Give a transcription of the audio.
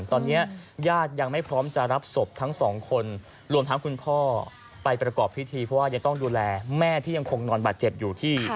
ตอนนี้ญาติยังไม่พร้อมจะรับศพทั้งสองคนรวมทั้งคุณพ่อไปประกอบพิธีเพราะว่ายังต้องดูแลแม่ที่ยังคงนอนบาดเจ็บอยู่ที่